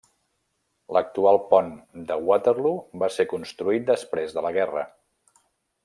L'actual pont de Waterloo va ser construït després de la guerra.